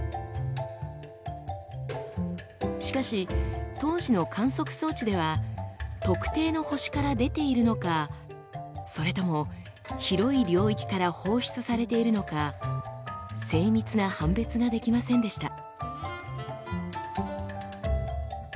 しかし当時の観測装置では特定の星から出ているのかそれとも広い領域から放出されているのか精密な判別ができませんでした。